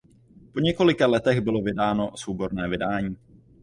Po několika letech bylo vydáno souborné vydání.